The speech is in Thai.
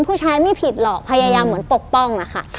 ผู้ชายไม่ผิดหรอกพยายามเหมือนปกป้องอะค่ะ